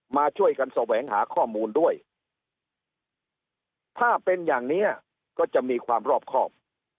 มาช่วยกันแสวงหาข้อมูลด้วยถ้าเป็นอย่างนี้ก็จะมีความรอบครอบ